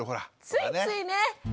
ついついね。